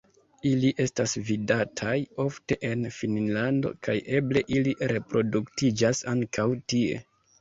Ili estas vidataj ofte en Finnlando kaj eble ili reproduktiĝas ankaŭ tie.